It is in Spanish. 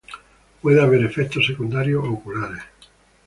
Puede haber efectos secundarios oculares.